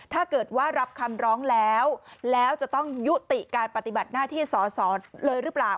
ถ้าเกิดว่ารับคำร้องแล้วแล้วจะต้องยุติการปฏิบัติหน้าที่สอสอเลยหรือเปล่า